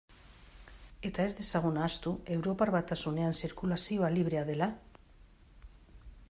Eta ez dezagun ahaztu Europar Batasunean zirkulazioa librea dela?